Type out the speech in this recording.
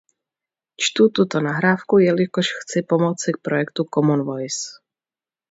Čtu tuto nahrávku, jelikož chci pomoci projektu Common Voice.